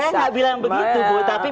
saya enggak bilang begitu bu